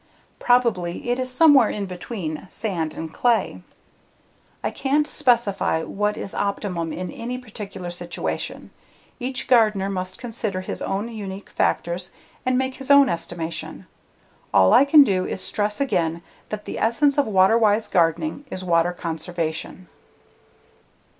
Probably, it is somewhere in between sand and clay. I can't specify what is optimum in any particular situation. Each gardener must consider his own unique factors and make his own estimation. All I can do is stress again that the essence of water wise gardening is water conservation.